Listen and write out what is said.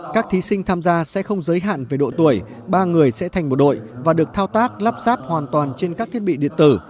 các thí sinh tham gia sẽ không giới hạn về độ tuổi ba người sẽ thành một đội và được thao tác lắp ráp hoàn toàn trên các thiết bị điện tử